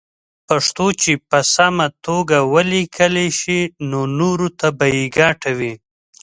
پښتو چې په سم ډول وليکلې شي نو نوره ته به يې ګټه وي